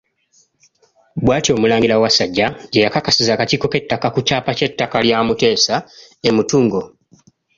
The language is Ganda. Bwatyo omulangira Wasajja gye yakakasizza akakiiko k’ettaka ku kyapa ky'ettaka lya muteesa e mutungo.